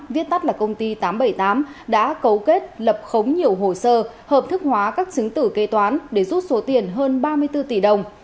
viết tắt là công ty tám trăm bảy mươi tám đã cấu kết lập khống nhiều hồ sơ hợp thức hóa các chứng tử kế toán để rút số tiền hơn ba mươi bốn tỷ đồng